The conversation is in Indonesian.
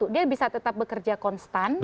dia bisa tetap bekerja konstan